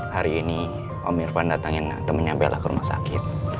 hari ini om irfan datangin temennya bela ke rumah sakit